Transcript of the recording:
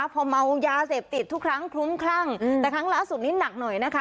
พอเมายาเสพติดทุกครั้งคลุ้มคลั่งแต่ครั้งล่าสุดนี้หนักหน่อยนะคะ